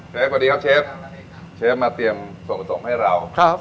สวัสดีครับเชฟเชฟมาเตรียมส่วนผสมให้เราครับ